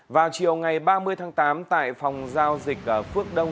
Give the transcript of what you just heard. vào chiều ngày ba mươi tháng tám tại phòng giao dịch phước đông